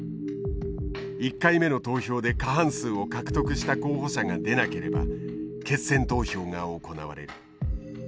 １回目の投票で過半数を獲得した候補者が出なければ決選投票が行われる。